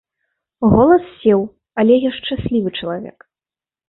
Голас сеў, але я шчаслівы чалавек!